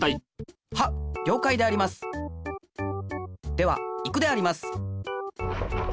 ではいくであります。